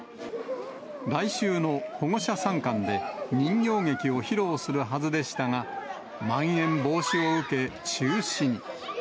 来週の保護者参観で、人形劇を披露するはずでしたが、まん延防止を受け、中止に。